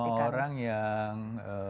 semua orang yang